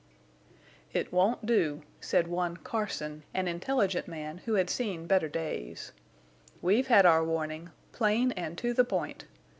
"It won't do," said one Carson, an intelligent man who had seen better days. "We've had our warning. Plain and to the point!